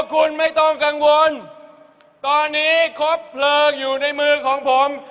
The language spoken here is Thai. คุณไม่ต้องกังวลตอนนี้ครบเพลิงอยู่ในมือของผม